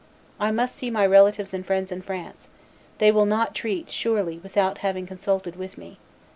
I must see my relatives and friends in France; they will not treat, surely, without having consulted with me.